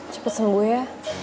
cepet sembuh ya